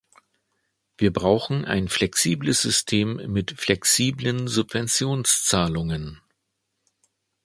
Wir brauchen ein flexibles System mit flexiblen Subventionszahlungen.